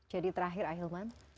jadi terakhir ahilman